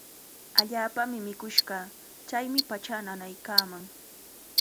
Allaapami mikush kaa. Chaymi pachaa nanaykaaman.